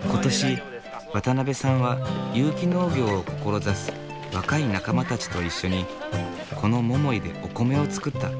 今年渡辺さんは有機農業を志す若い仲間たちと一緒にこの百井でお米を作った。